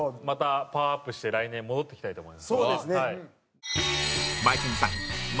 またパワーアップして来年戻ってきたいと思います。